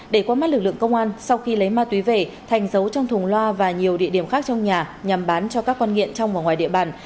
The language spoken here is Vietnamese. để qua mắt lực lượng công an sau khi lấy ma túy về thành giấu trong thùng loa và nhiều địa điểm khác trong nhà nhằm bán cho các con nghiện trong và ngoài địa bàn